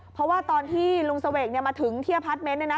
เพราะว่าตอนที่ลุงเสวกมาถึงที่อพาร์ทเมนต์